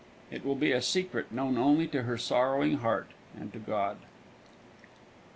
It will be a secret known only to her sorrowing heart and to God.